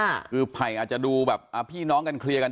คือไผ่อาจจะดูแบบอ่าพี่น้องกันเคลียร์กัน